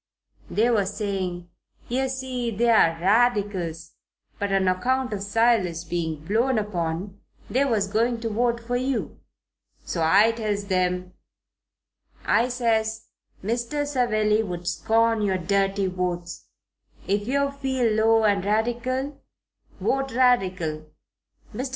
They was saying, yer see, they was Radicals, but on account of Silas being blown upon, they was going to vote for you. So I tells 'em, I says, 'Mr. Savelli would scorn your dirty votes. If yer feel low and Radical, vote Radical. Mr.